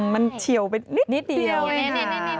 มันเฉียวไปนิดเดียวเลยค่ะ